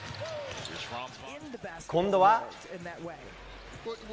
今度は。